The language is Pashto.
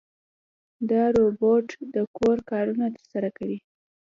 دا روبوټ د کور کارونه ترسره کوي.